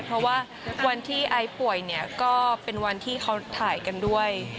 เพราะว่าวันที่ไอป่วยเนี่ยก็เป็นวันที่เขาถ่ายกันด้วย